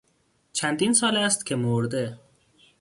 چندین سال است که مرده.